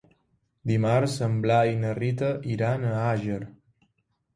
Dimarts en Blai i na Rita iran a Àger.